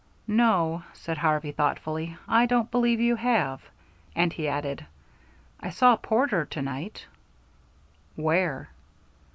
"No," said Harvey, thoughtfully, "I don't believe you have." And he added, "I saw Porter to night." "Where?"